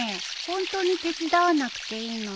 ホントに手伝わなくていいの？